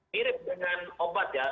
mirip dengan obat ya